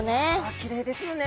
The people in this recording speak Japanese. きれいですよね。